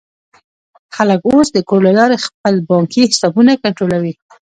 خلک اوس د کور له لارې خپل بانکي حسابونه کنټرولوي.